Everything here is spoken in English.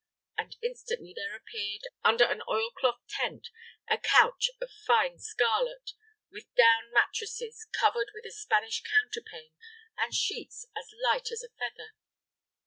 And instantly there appeared, under an oilcloth tent, a couch of fine scarlet, with down mattresses, covered with a Spanish counterpane and sheets as light as a feather.